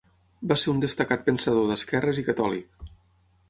Va ser un destacat pensador d'esquerres i catòlic.